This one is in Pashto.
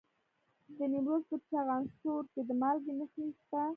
د نیمروز په چخانسور کې د مالګې نښې شته.